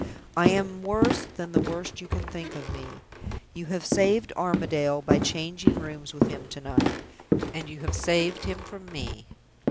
"I am worse than the worst you can think of me. You have saved Armadale by changing rooms with him to night; and you have saved him from me.